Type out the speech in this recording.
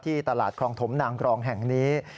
ที่ตลาดของถมหนังกรองแห่งนี้